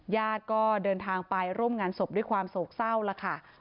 ญาติก็เดินทางไปร่วมงานศพด้วยความโศกเศร้าแล้วค่ะ